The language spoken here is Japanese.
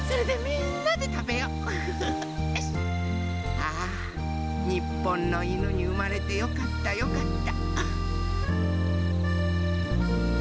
ああにっぽんのいぬにうまれてよかったよかった。